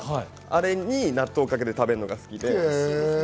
あれに納豆をかけて食べるのが好きです。